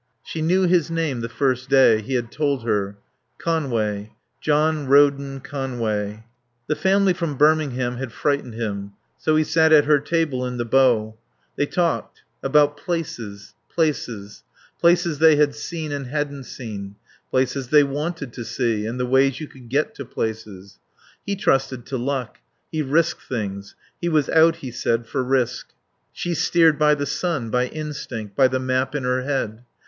She knew his name the first day. He had told her. Conway. John Roden Conway. The family from Birmingham had frightened him. So he sat at her table in the bow. They talked. About places places. Places they had seen and hadn't seen; places they wanted to see, and the ways you could get to places. He trusted to luck; he risked things; he was out, he said, for risk. She steered by the sun, by instinct, by the map in her head.